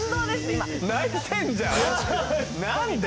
今泣いてんじゃんなんで？